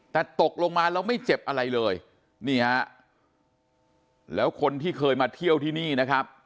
แต่ตกลงมาแล้วไม่เจ็บอะไรเลยนี่ฮะแล้วคนที่เคยมาเที่ยวที่นี่นะครับ